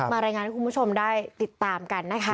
รายงานให้คุณผู้ชมได้ติดตามกันนะคะ